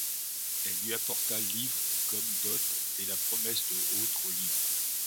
Elle lui apporta livres comme dot et la promesse de autres livres.